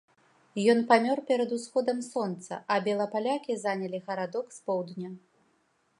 Ён памёр перад усходам сонца, а белапалякі занялі гарадок з поўдня.